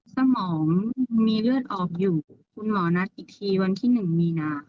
สมองมีเลือดออกอยู่คุณหมอนัดอีกทีวันที่๑มีนา